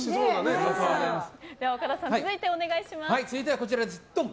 岡田さん、続いてお願いします。